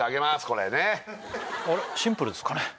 これねあれシンプルですかね？